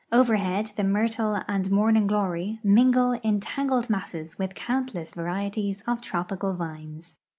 Overhead the myrtle and the morning glory mingle in tangled masses with countless varie ties of tropical vines.